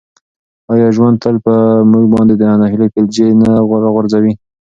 آیا ژوند تل په موږ باندې د ناهیلۍ بیلچې نه راغورځوي؟